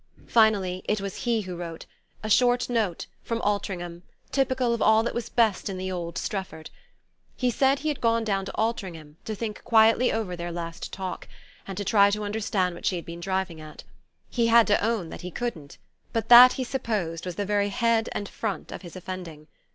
Finally it was he who wrote: a short note, from Altringham, typical of all that was best in the old Strefford. He had gone down to Altringham, he told her, to think quietly over their last talk, and try to understand what she had been driving at. He had to own that he couldn't; but that, he supposed, was the very head and front of his offending.